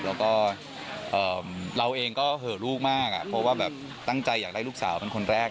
แล้วก็เราเองก็เหอะลูกมากเพราะว่าแบบตั้งใจอยากได้ลูกสาวเป็นคนแรก